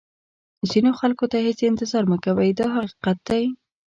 ځینو خلکو ته هېڅ انتظار مه کوئ دا حقیقت دی.